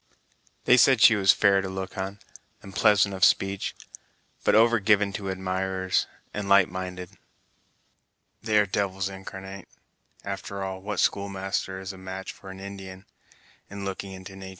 "They said she was fair to look on, and pleasant of speech; but over given to admirers, and light minded." "They are devils incarnate! After all, what schoolmaster is a match for an Indian, in looking into natur'!